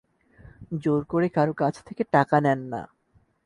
জোর করে কারও কাছ থেকে টাকা নেন না।